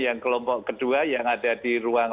yang kelompok kedua yang ada di ruang